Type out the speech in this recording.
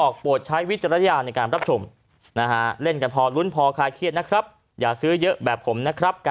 ก็ว่ากันไปนะครับ